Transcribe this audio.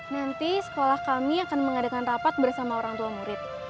nanti sekolah kami akan mengadakan rapat bersama orang tua murid